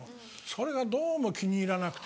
それがどうも気に入らなくて。